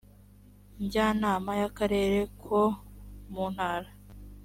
njyanama y akarere ko mu ntara